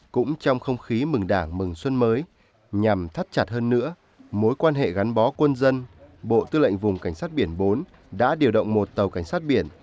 cũng trong không khí mừng đảng mừng xuân mới nhằm thắt chặt hơn nữa mối quan hệ gắn bó quân dân bộ tư lệnh vùng cảnh sát biển bốn đã điều động một tàu cảnh sát biển